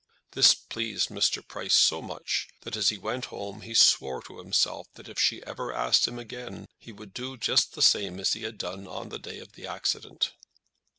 This pleased Mr. Price so much, that as he went home he swore to himself that if ever she asked him again, he would do just the same as he had done on the day of the accident.